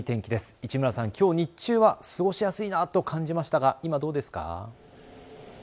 市村さん、きょう日中は過ごしやすいなと感じましたが今はどうでしょうか。